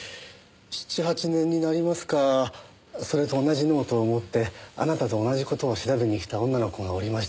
７８年になりますかそれと同じノートを持ってあなたと同じ事を調べに来た女の子がおりましてね。